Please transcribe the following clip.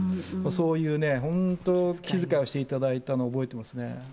そういうね、本当、気遣いをしていただいたのを覚えてますね。